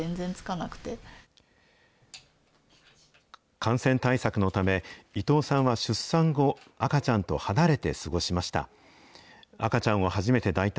感染対策のため、伊藤さんは出産後、赤ちゃんと離れて過ごしました。